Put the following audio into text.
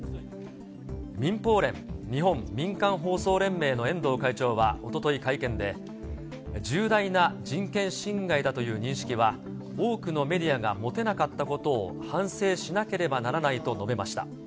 民放連・日本民間放送連盟の遠藤会長はおととい会見で、重大な人権侵害だという認識は多くのメディアが持てなかったことを反省しなければならないと述べました。